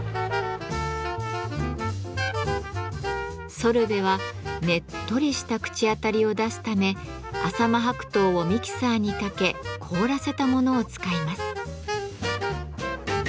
ソルベはねっとりした口当たりを出すため浅間白桃をミキサーにかけ凍らせたものを使います。